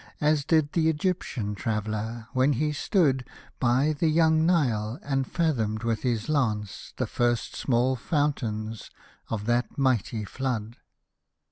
As did th' Egyptian traveller, when he stood By the young Nile, and fathomed with his lance The first small fountains of that mighty flood.